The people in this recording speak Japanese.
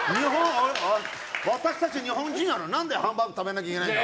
私たち、日本人なのに何でハンバーグ食べなきゃいけない。